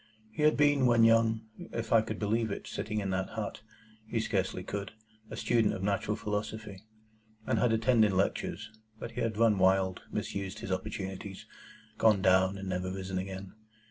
He had been, when young (if I could believe it, sitting in that hut,—he scarcely could), a student of natural philosophy, and had attended lectures; but he had run wild, misused his opportunities, gone down, and never risen again.